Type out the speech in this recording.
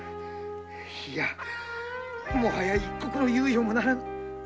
いやもはや一刻の猶予もならぬ。